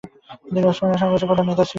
তিনি উসমানীয় সাম্রাজ্যের প্রধান নেতা ছিলেন।